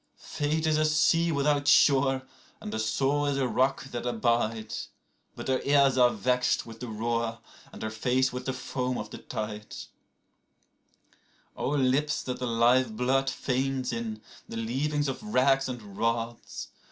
41Fate is a sea without shore, and the soul is a rock that abides;42But her ears are vexed with the roar and her face with the foam of the tides.43O lips that the live blood faints in, the leavings of racks and rods!